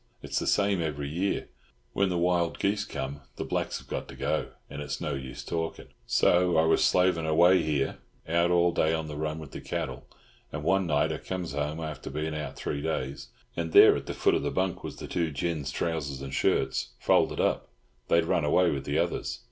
It's the same every year—when the wild geese come the blacks have got to go, and it's no use talkin'. So I was slavin' away here—out all day on the run with the cattle—and one night I comes home after being out three days, and there at the foot of the bunk was the two gins' trousers and shirts, folded up; they'd run away with the others.